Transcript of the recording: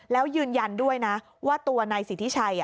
แล้วยืนยันด้วยนะว่าตัวนายสิทธิชัย